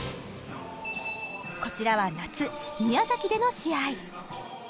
こちらは夏宮崎での試合